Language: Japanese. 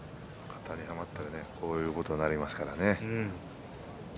型にはまったらねこういうことになりますからね。